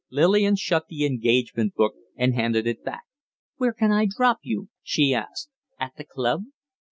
Lillian shut the engagement book and handed it back. "Where can I drop you?" she asked. "At the club?"